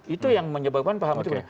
itu yang menyebabkan paham juga